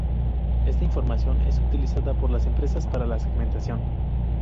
Esta información es utilizada por las empresas para la segmentación.